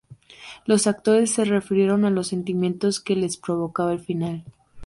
Los actores se refirieron a los sentimientos que les provocaba el final.